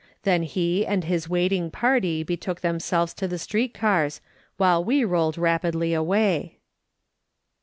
Then he and his waiting party betook themselves to the street cars, while we rolled rapidly away.